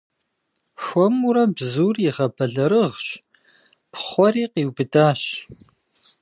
Хуэмурэ бзур игъэбэлэрыгъщ, пхъуэри, къиубыдащ.